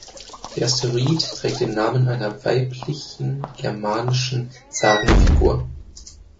Der Asteroid trägt den Namen einer weiblichen germanischen Sagenfigur.